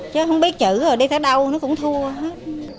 chứ không biết chữ rồi đi ra đâu nó cũng thua hết